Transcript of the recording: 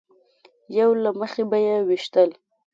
یو له مخې به یې ویشتل.